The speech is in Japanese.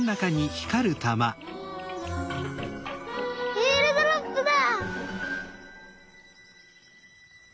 えーるドロップだ！